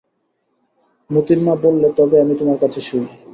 মোতির মা বললে, তবে আমি তোমার কাছে শুই।